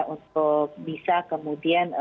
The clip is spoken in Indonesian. untuk bisa kemudian